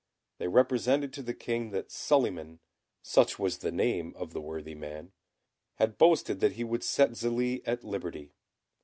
They represented to the King that Suliman (such was the name of the worthy man) had boasted that he would set Zélie at liberty.